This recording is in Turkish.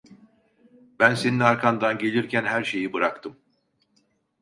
Ben senin arkandan gelirken her şeyi bıraktım.